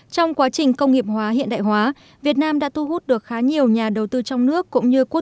trong quá trình công nghiệp hóa hiện đại hóa việt nam đã thu hút được khá nhiều nhà đầu tư trong nước